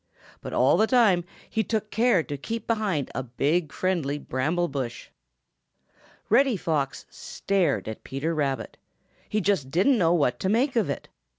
But all the time he took care to keep behind a big, friendly bramble bush. Reddy Fox stared at Peter Rabbit. He just didn't know what to make of it.